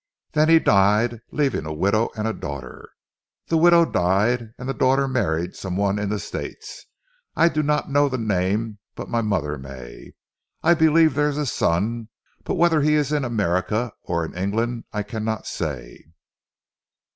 Then he died leaving a widow and a daughter. The widow died and the daughter married some one in the States. I do not know the name but my mother may. I believe there is a son, but whether he is in America or in England I cannot say."